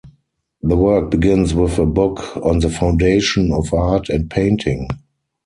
The work begins with a book on the foundation of art and painting.